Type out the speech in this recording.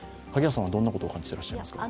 どんなことを感じていらっしゃいますか？